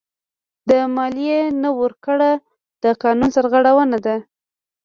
د مالیې نه ورکړه د قانون سرغړونه ده.